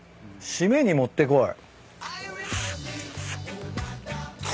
締めにもってこい。